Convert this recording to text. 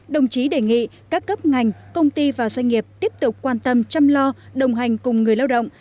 đồng chí đề nghị các cấp ngành công ty và doanh nghiệp tiếp tục quan tâm chăm lo đồng hành cùng người lao động